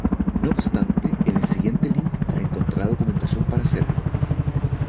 No obstante, en el siguiente link se encontrará documentación para hacerlo.